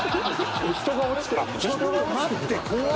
人が落ちてるから。